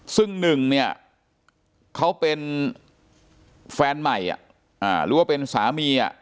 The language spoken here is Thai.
ซึ่ง๑เขาเป็นแฟนใหม่หรือเป็นสามี